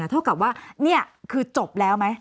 เท่ากับว่านี่คือจบแล้วไหม